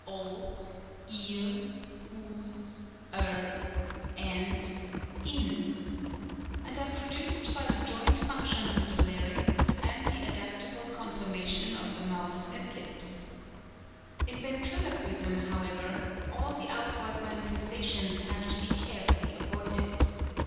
ld, ee 11, 00 ze, e rr, e nd, » n — and are produced by the joint functions of the larynx and the adaptable conformation of the mouth and lips. In Ven triloquism, however, all the outward manifestations have to be carefully avoided.